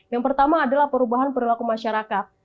yang pertama adalah perubahan perilaku masyarakat